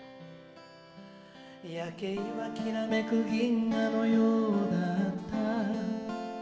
「夜景は煌めく銀河のようだった」